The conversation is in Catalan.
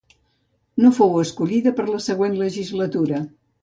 No fou escollida per la següent legislatura.